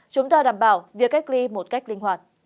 chúng ta đảm bảo việc cách ly một cách linh hoạt